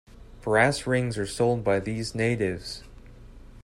Brass rings are sold by these natives.